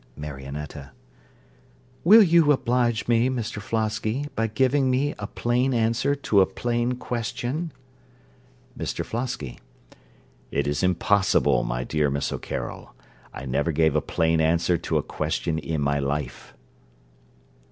MARIONETTA Will you oblige me, Mr Flosky, by giving me a plain answer to a plain question? MR FLOSKY It is impossible, my dear Miss O'Carroll. I never gave a plain answer to a question in my life.